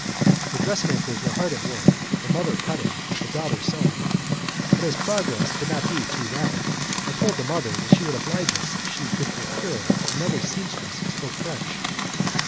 The dressmakers were hard at work, the mother cutting and the daughter sewing, but, as progress could not be too rapid, I told the mother that she would oblige us if she could procure another seamstress who spoke French.